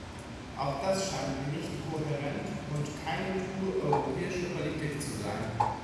Auch das scheint mir nicht kohärent und keine kluge europäische Politik zu sein.